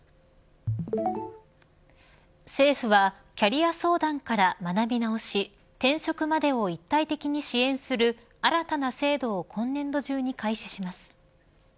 政府はキャリア相談から学び直し転職までを一体的に支援する新たな制度を今年度中に開始します。